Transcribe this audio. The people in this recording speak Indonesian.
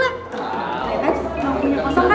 ya kan mau punya kosong kan